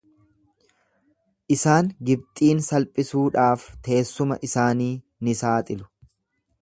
Isaan Gibxiin salphisuudhaaf teessuma isaanii ni saaxilu.